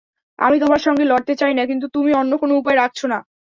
আমি তোমার সঙ্গে লড়তে চাই না, কিন্তু তুমি অন্য কোন উপায় রাখছ না।